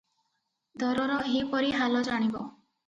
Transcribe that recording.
ଦରର ଏହିପରି ହାଲ ଜାଣିବ ।